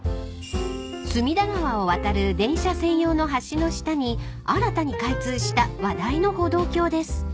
［隅田川を渡る電車専用の橋の下に新たに開通した話題の歩道橋です］